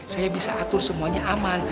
saya bisa atur semuanya aman